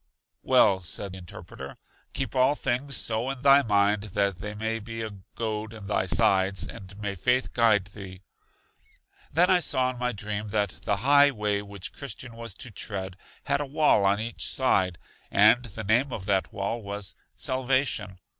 Well, said Interpreter, keep all things so in thy mind that they may be a goad in thy sides; and may faith guide thee! Then I saw in my dream that the high way which Christian was to tread, had a wall on each side, and the name of that wall was Salvation.